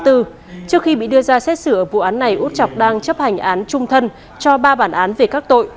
trước khi bị đưa ra xét xử vụ án này út chọc đang chấp hành án trung thân cho ba bản án về các tội